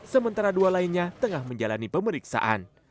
sementara dua lainnya tengah menjalani pemeriksaan